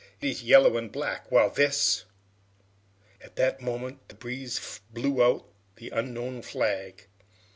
it is yellow and black, while this " At that moment the breeze blew out the unknown flag.